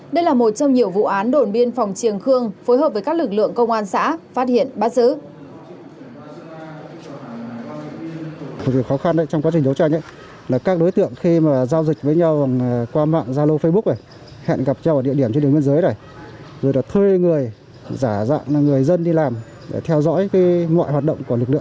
đây là một trong nhiều vụ án đồn biên phòng triềng khương phối hợp với các lực lượng công an xã phát hiện bắt giữ